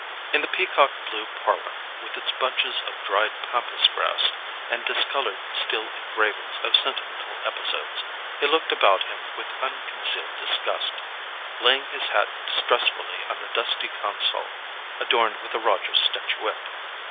In the peacock blue parlour, with its bunches of dried pampas grass, and discoloured steel engravings of sentimental episodes, he looked about him with unconcealed disgust, laying his hat distrustfully on the dusty console adorned with a Rogers statuette.